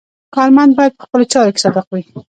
کارمند باید په خپلو چارو کې صادق وي.